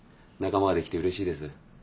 仲間ができてうれしいです。